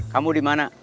kamu di mana